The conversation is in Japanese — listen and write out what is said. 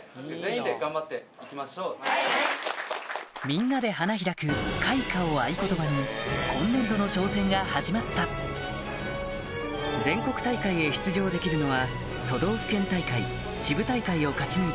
みんなで花開く「皆華」を合言葉に今年度の挑戦が始まった全国大会へ出場できるのは都道府県大会支部大会を勝ち抜いた